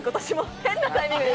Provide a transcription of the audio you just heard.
変なタイミングで。